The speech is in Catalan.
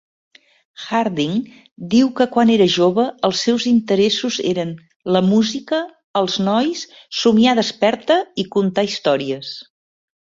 Harding diu que quan era jove els seus interessos eren la "música, els nois, somniar desperta i contar històries".